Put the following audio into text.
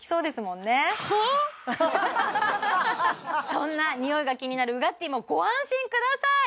そんなにおいが気になるウガッティーもご安心ください